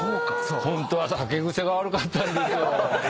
ホントは酒癖が悪かったんですよ。